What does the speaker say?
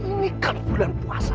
ini kan bulan puasa